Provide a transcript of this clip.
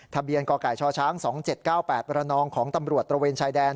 ทะเบียนกกชช๒๗๙๘รนของตำรวจตระเวนชายแดน